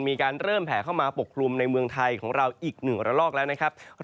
มีการเริ่มแผลเข้ามาปกคลุมในเมืองไทยของเราอีก๑ระลอกแล้วนะครับ